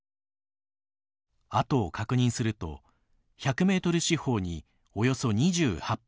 痕を確認すると１００ｍ四方におよそ２８発ずつ。